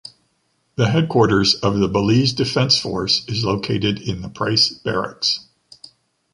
The headquarters of the Belize Defence Force is located in the Price Barracks.